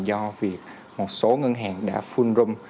do việc một số ngân hàng đã full rung